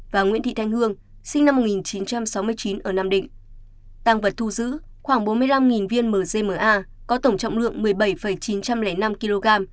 tăng vật thu giữ khoảng bốn mươi năm viên mgma có tổng trọng lượng một mươi bảy chín trăm linh năm kg